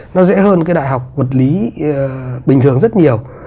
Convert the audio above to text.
nó dễ hơn cái đại học vật lý bình thường rất nhiều